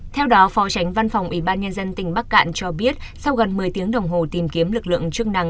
theo đó phó tránh văn phòng ủy ban nhân dân tỉnh bắc cạn cho biết sau gần một mươi tiếng đồng hồ tìm kiếm lực lượng chức năng